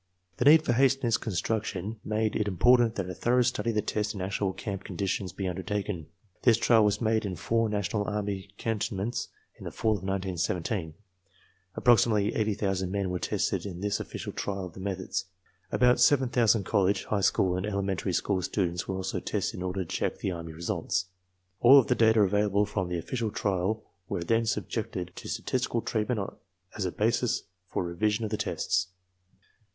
The need for haste in its construction made it important that a thorough study of the test in actual camp conditions be undertaken. This trial was made in four national . army cantonments in the fall of 1917. Approximately 80,000 men were tested in this official trial of the methods. About 7,000 college, high school and elementary school students were' also tested in order to check the army results. All of the data available from the official trial were then subjected to statistical treatment as a basis for revision of the tests.